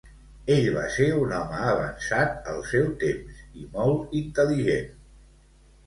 Ell va ser un home avançat al seu temps, i molt intel·ligent.